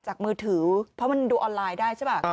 มือถือเพราะมันดูออนไลน์ได้ใช่ป่ะ